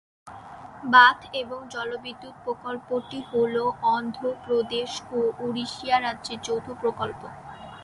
বাঁধ এবং জলবিদ্যুৎ প্রকল্পটি হল অন্ধ্র প্রদেশ ও উড়িষ্যা রাজ্যের যৌথ প্রকল্প।